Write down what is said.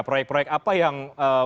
proyek proyek apa yang